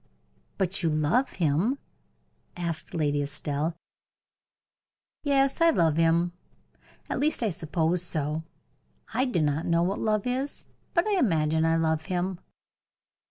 "But you love him?" asked Lady Estelle. "Yes, I love him at least I suppose so. I do not know what love is; but I imagine I love him."